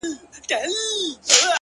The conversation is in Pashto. • ډبري غورځوې تر شا لاسونه هم نیسې؛